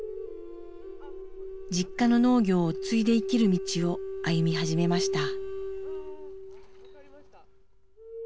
実家の農業を継いで生きる道を歩み始めました。